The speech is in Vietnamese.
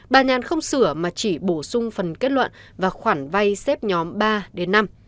bà nhàn không sửa mà chỉ bổ sung phần kết luận và khoản vay xếp nhóm ba đến năm